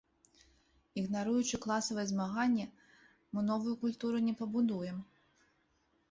Ігнаруючы класавае змаганне, мы новую культуру не пабудуем.